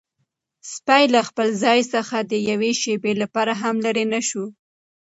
سپی له خپل ځای څخه د یوې شېبې لپاره هم لیرې نه شو.